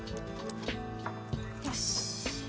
よし。